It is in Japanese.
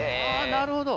なるほど。